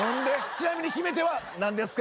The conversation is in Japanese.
ちなみに決め手は何ですか？